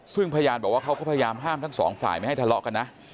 ซึ่งพยานบอกว่าเขาก็พยายามห้ามทั้งสองฝ่ายไม่ให้ทะเลาะกันนะ